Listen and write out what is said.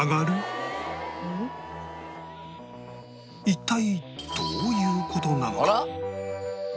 一体どういう事なのか？